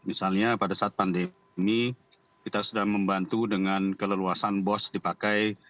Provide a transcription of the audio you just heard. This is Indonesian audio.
misalnya pada saat pandemi kita sudah membantu dengan keleluasan bos dipakai